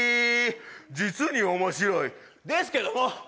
実に面白い、ですけども。